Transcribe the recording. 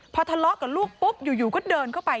พอทะเลาะกับลูกปุ๊บอยู่ก็เดินเข้าไป